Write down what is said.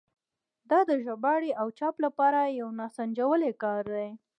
دا د ژباړې او چاپ لپاره یو ناسنجولی کار دی.